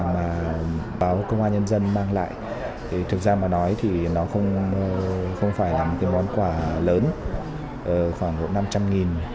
mà báo công an nhân dân mang lại thì thực ra mà nói thì nó không phải là một cái món quà lớn khoảng độ năm trăm linh